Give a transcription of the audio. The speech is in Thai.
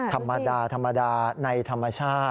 ธรรมดาธรรมดาในธรรมชาติ